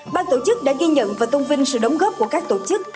ban tổ chức đã ghi nhận và tôn vinh sự đóng góp của các tổ chức